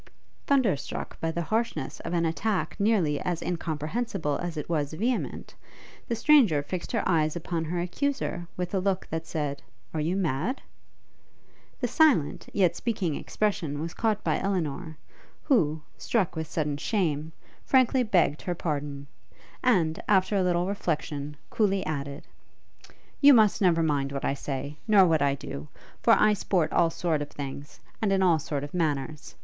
Thunderstruck by the harshness of an attack nearly as incomprehensible as it was vehement, the stranger fixed her eyes upon her accuser with a look that said, Are you mad? The silent, yet speaking expression was caught by Elinor, who, struck with sudden shame, frankly begged her pardon; and, after a little reflexion, coolly added, 'You must never mind what I say, nor what I do; for I sport all sort of things, and in all sort of manners.